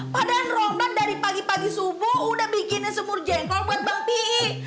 padahal rambla dari pagi pagi subuh udah bikinnya semur jengkok buat bang piik